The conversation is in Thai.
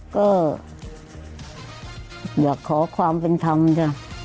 ก็อยากขอความเป็นธรรมต่อด้วย